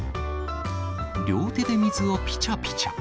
両手で水をぴちゃぴちゃ。